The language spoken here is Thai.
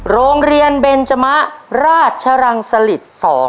โรงเรียนเบนจมะราชรังสลิต๒